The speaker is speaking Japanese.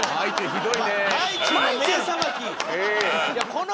ひどいね。